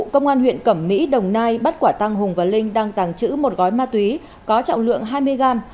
công an huyện cẩm mỹ đồng nai bắt quả tăng hùng và linh đang tàng trữ một gói ma túy có trọng lượng hai mươi gram